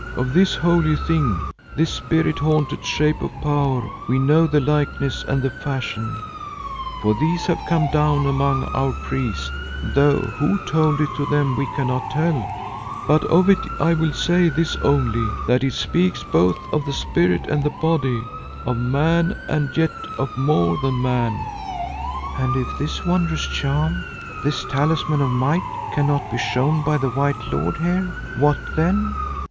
Of this holy thing, this spirit haunted shape of power, we know the likeness and the fashion, for these have come down among our priests, though who told it to them we cannot tell, but of it I will say this only, that it speaks both of the spirit and the body, of man and yet of more than man." "And if this wondrous charm, this talisman of might, cannot be shown by the white lord here, what then?"